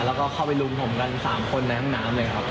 แล้วก็เข้าไปรุมผมกัน๓คนในห้องน้ำเลยครับ